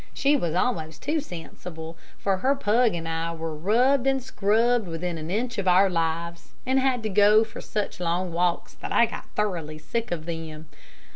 She was almost too sensible, for her pug and I were rubbed and scrubbed within an inch of our lives, and had to go for such long walks that I got thoroughly sick of them.